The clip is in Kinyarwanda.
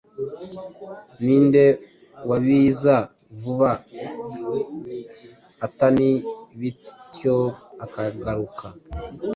Ninde waubiza vuba atani bityo akagaruka